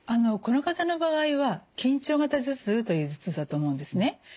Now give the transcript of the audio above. この方の場合は緊張型頭痛という頭痛だと思うんですね。